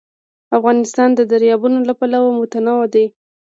افغانستان د دریابونه له پلوه متنوع دی.